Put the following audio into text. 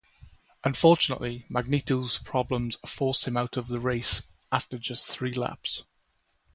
Unfortunately, magneto problems forced him out of the race after just three laps.